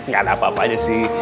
gak ada apa apanya sih